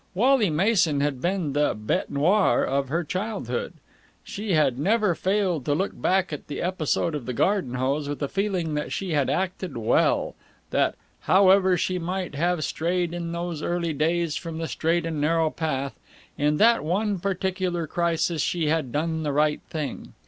Wally Mason had been the bête noire of her childhood. She had never failed to look back at the episode of the garden hose with the feeling that she had acted well, that however she might have strayed in those early days from the straight and narrow path in that one particular crisis she had done the right thing.